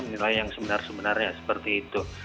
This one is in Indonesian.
nilai yang sebenar sebenarnya seperti itu